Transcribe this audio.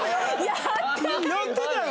やってたよ！